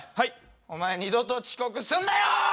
お前二度と遅刻すんなよ！